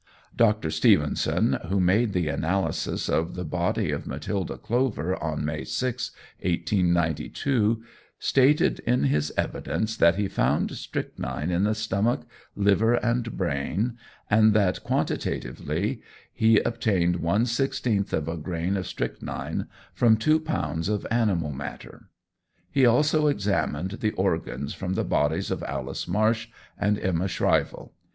Dr. Stevenson, who made the analysis of the body of Matilda Clover on May 6, 1892, stated in his evidence that he found strychnine in the stomach, liver, and brain, and that quantitatively he obtained one sixteenth of a grain of strychnine from two pounds of animal matter. He also examined the organs from the bodies of Alice Marsh and Emma Shrivell.